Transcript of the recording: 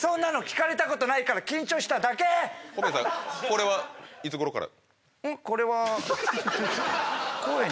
小宮さんこれはいつ頃から？